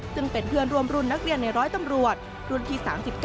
ซึ่งเป็นเพื่อนร่วมรุ่นนักเรียนในร้อยตำรวจรุ่นที่๓๙